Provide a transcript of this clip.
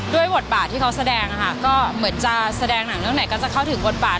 บทบาทที่เขาแสดงค่ะก็เหมือนจะแสดงหนังเรื่องไหนก็จะเข้าถึงบทบาท